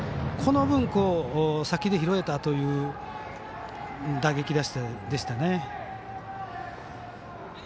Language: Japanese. この分、先に拾えたという打撃でしたね。